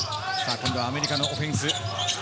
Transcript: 今度はアメリカのオフェンス。